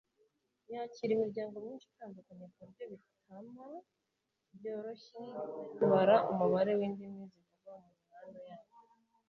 Yakira imiryango myinshi itandukanye kuburyo bitama byoroshye kubara umubare windimi zivugwa mumihanda yayo